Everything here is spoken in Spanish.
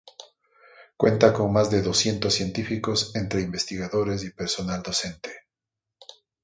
Cuenta con más de doscientos científicos entre investigadores y personal docente.